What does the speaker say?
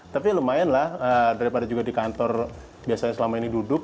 tapi lumayan lah daripada juga di kantor biasanya selama ini duduk